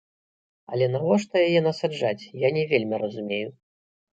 Але навошта яе насаджаць, я не вельмі разумею.